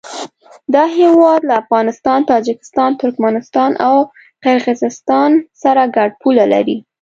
دا هېواد له افغانستان، تاجکستان، ترکمنستان او قرغیزستان سره ګډه پوله لري.